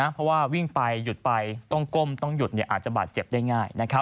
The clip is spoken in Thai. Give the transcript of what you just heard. เพราะว่าวิ่งไปหยุดไปต้องก้มต้องหยุดอาจจะบาดเจ็บได้ง่าย